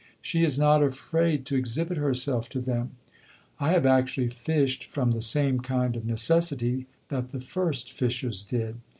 She is not afraid to exhibit herself to them.... I have actually fished from the same kind of necessity that the first fishers did.